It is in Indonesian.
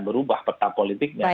berubah peta politiknya